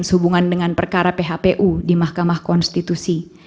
sehubungan dengan perkara phpu di mahkamah konstitusi